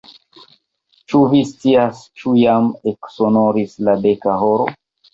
Ĉu vi scias, ĉu jam eksonoris la deka horo?